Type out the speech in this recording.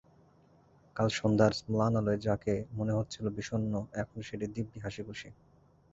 কাল সন্ধ্যার ম্লান আলোয় যাকে মনে হচ্ছিল বিষণ্ন, এখন সেটি দিব্যি হাসিখুশি।